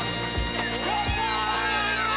やった！